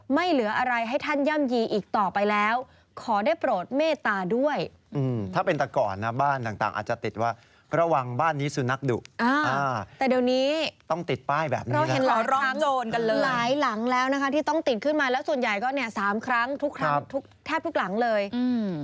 เพราะเห็นหลายครั้งหลายหลังแล้วนะคะที่ต้องติดขึ้นมาแล้วส่วนใหญ่ก็๓ครั้งทุกครั้งแทบทุกหลังเลยอืม